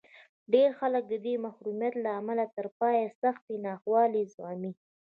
ډېر خلک د دې محرومیت له امله تر پایه سختې ناخوالې زغمي